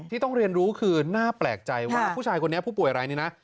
ที่ต้องเรียนรู้คือน่าแปลกใจว่าผู้ชายคนนี้ผู้ป่วยรายนี้นะ